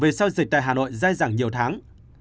vì sao dịch tại hà nội dai dẳng nhiều tháng